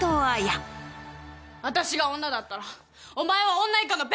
私が女だったらお前は女以下のペットだ！